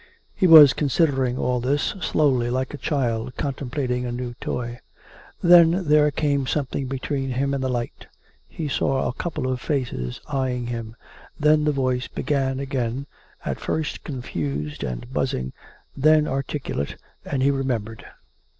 He was considering all this, slowly, like a child contem plating a new toy. Then there came something between 450 COME RACK! COME ROPE! him and the light; he saw a couple of faces eyeing him. Then the voice began again, at first confused and buzzing, then articulate; and he remembered.